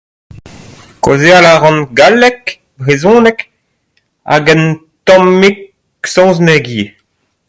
Kaozeal a ran galleg, brezhoneg hag un tammig saozneg ivez.